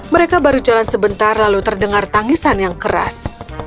mereka baru jalan sebentar lalu terdengar tangisan yang keras